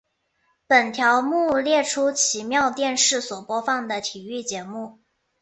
本条目列出奇妙电视所播放的体育节目。